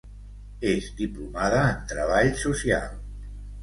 És diplomada en treball social.